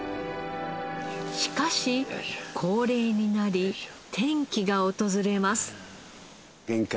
しかし高齢になり転機が訪れます。